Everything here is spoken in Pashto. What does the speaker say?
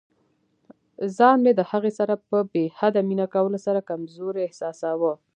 ځان مې د هغې سره په بې حده مینه کولو سره کمزوری احساساوه.